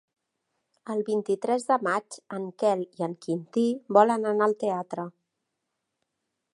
El vint-i-tres de maig en Quel i en Quintí volen anar al teatre.